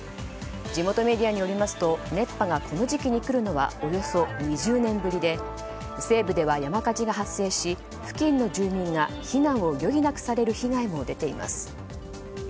地元メディアによりますと熱波がこの時期に来るのはおよそ２０年ぶりで西部では山火事が発生し付近の住民が避難を余儀なくされる被害も出ています。